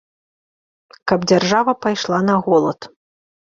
Каб дзяржава пайшла на голад.